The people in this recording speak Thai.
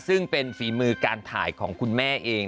ซึ่งเป็นฝีมือการถ่ายของคุณแม่เอง